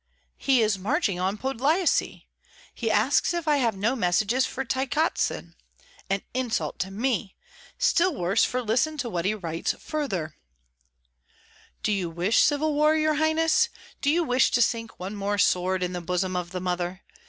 "He is marching on Podlyasye! He asks if I have no messages for Tykotsin! An insult to me! Still worse; for listen to what he writes further, "'Do you wish civil war, your highness? do you wish to sink one more sword in the bosom of the mother?